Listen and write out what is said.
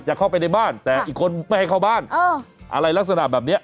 จะเข้าไปในบ้านแต่อีกคนไม่ให้เข้าบ้านอะไรลักษณะแบบนี้